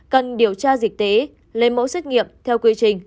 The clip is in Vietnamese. cần điều tra dịch tế lấy mẫu xét nghiệm theo quy trình